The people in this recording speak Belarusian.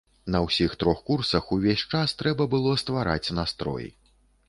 На ўсіх трох курсах увесь час трэба было ствараць настрой.